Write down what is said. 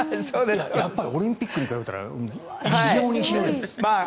やっぱりオリンピックに比べたら異常に広いです。